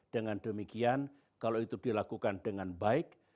dengan demikian kalau itu dilakukan dengan baik